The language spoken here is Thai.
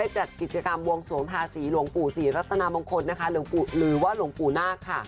จัดกิจกรรมวงสวงภาษีหลวงปู่ศรีรัตนบงคลหรือว่าหลวงปู่นาค